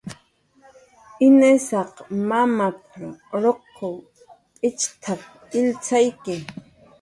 "Inisaq mamap"" ruq p'itxt""ap illtzakyi"